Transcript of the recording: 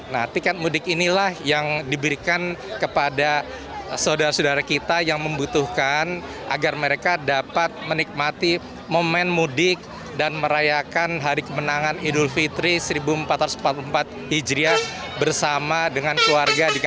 nah tiket mudik inilah yang diberikan kepada saudara saudara kita yang membutuhkan agar mereka dapat menikmati momen mudik dan merayakan hari kemenangan idul fitri seribu empat ratus empat puluh empat hijriah bersama dengan keluarga